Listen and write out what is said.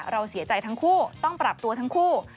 เราเสียใจทั้งคู่ต้องปรับตัวทั้งคู่